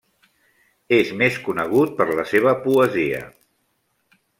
És més conegut per la seva poesia.